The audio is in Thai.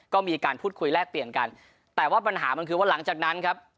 ก็มีการพูดคุยแลกเปลี่ยนกันแต่ว่าปัญหามันคือว่าหลังจากนั้นครับ